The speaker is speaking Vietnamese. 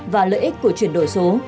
và lợi ích của chuyển đổi số